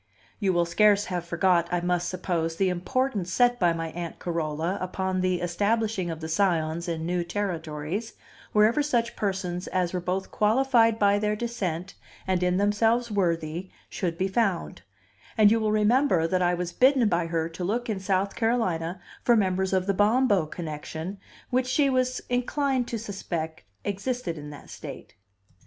You will scarce have forgot, I must suppose, the importance set by my Aunt Carola upon the establishing of the Scions in new territories, wherever such persons as were both qualified by their descent and in themselves worthy, should be found; and you will remember that I was bidden by her to look in South Carolina for members of the Bombo connection which she was inclined to suspect existed in that state.